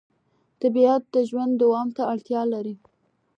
طبیعت د ژوند دوام ته اړتیا لري